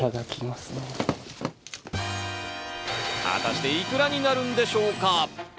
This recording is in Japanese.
果たしていくらになるんでしょうか？